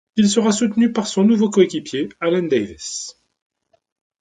Il sera soutenu par son nouveau coéquipier, Allan Davis.